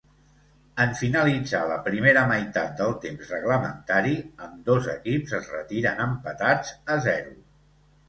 En finalitzar la primera meitat del temps reglamentari, ambdós equips es retiren empatats a zero.